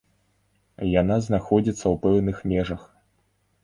Яна знаходзіцца ў пэўных межах.